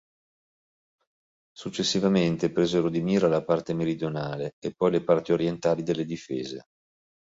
Successivamente, presero di mira la parte meridionale e poi le parti orientali delle difese.